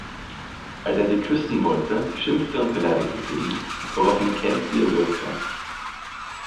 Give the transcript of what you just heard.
Als er sie küssen wollte, beschimpfte und beleidigte sie ihn, woraufhin Kent sie erwürgte.